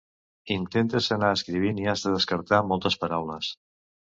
Intentes anar escrivint i has de descartar moltes paraules.